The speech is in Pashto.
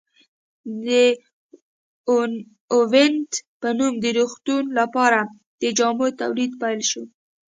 د اوینټ په نوم د روغتونونو لپاره د جامو تولید پیل شو.